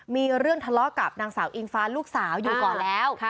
มีเรื่องทะเลาะกับนางสาวอิงฟ้าลูกสาวอยู่ก่อนแล้ว